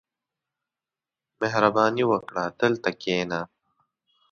• مهرباني وکړه، دلته کښېنه.